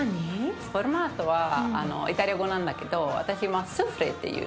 スフォルマートはイタリア語なんだけどスフレっていう。